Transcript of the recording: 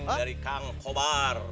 dari kang kobar